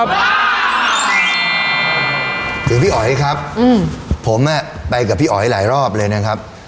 บ้าคือพี่อ๋อครับอืมผมอะไปกับพี่อ๋อให้หลายรอบเลยนะครับ